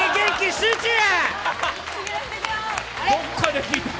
集中や！